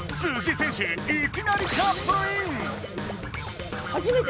選手いきなりカップイン！